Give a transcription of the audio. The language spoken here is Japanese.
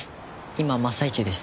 今真っ最中です。